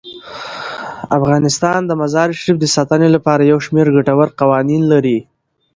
افغانستان د مزارشریف د ساتنې لپاره یو شمیر ګټور قوانین لري.